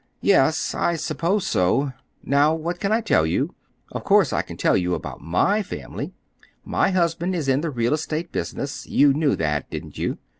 "Yes, I suppose so. Now, what can I tell you? Of course I can tell you about my own family. My husband is in the real estate business. You knew that, didn't you?